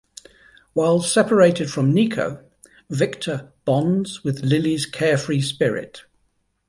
While separated from Nico, Victor bonds with Lillie's carefree spirit.